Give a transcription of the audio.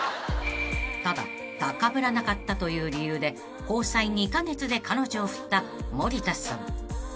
［ただ高ぶらなかったという理由で交際２カ月で彼女を振った森田さん］